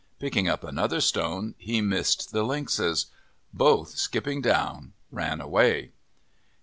Picking up another stone, he missed the lynxes. Both skipping down, ran away.